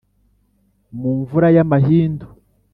Mu mvura y’amahindu